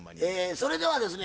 それではですね